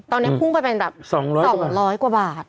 ตอนนี้พุ่งไปเป็นแบบ๒๐๐กว่าบาท